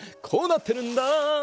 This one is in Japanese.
こうなってるんだ。